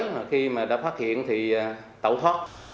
mà khi mà đã phát hiện thì tẩu thoát